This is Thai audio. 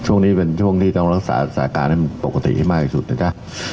ช่วงนี้เป็นช่วงที่ต้องรักษาสาการให้มันปกติให้มากที่สุดนะจ๊ะ